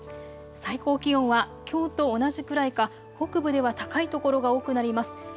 最高気温はきょうと同じくらいか北部では高いところが多くなります。